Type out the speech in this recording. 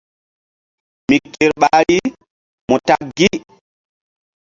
Mi ker ɓahri mu ta gi.